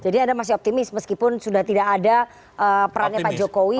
jadi anda masih optimis meskipun sudah tidak ada perannya pak jokowi